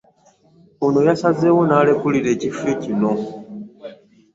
Ono yasazeewo n'alekulira ekifo kino